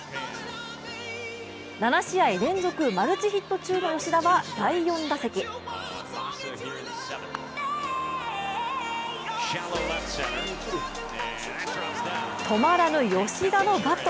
７試合連続マルチヒット中の吉田は第４打席、止まらぬ吉田のバット。